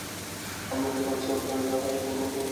আপনাকে বাচ্চা পয়দা করার জন্য জন সাহেবের সাথে শুতে হবে না।